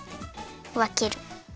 わける。